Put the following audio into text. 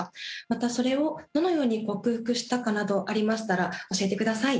またそれをどのように克服したかなどありましたら教えてください。